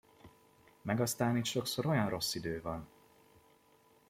Meg aztán itt sokszor olyan rossz idő van!